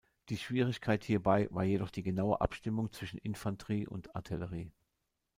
Die Schwierigkeit hierbei war jedoch die genaue Abstimmung zwischen Infanterie und Artillerie.